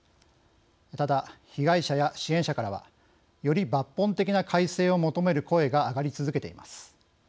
ただ被害者や支援者からはより抜本的な改正を求める声が上がり続けています。